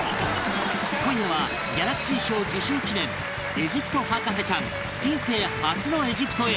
今夜はギャラクシー賞受賞記念「エジプト博士ちゃん人生初のエジプトへ！」